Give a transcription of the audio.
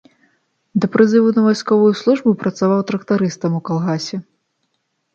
Да прызыву на вайсковую службу працаваў трактарыстам у калгасе.